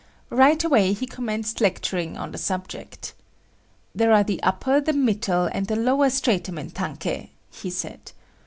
Right away he commenced lecturing on the subject. "There are the upper, the middle and the lower stratum in tankei," he said.